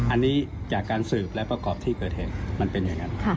อันนี้จากการสืบและประกอบที่เกิดเหตุมันเป็นอย่างนั้น